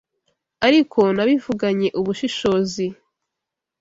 ariko nabivuganye ubushishozi,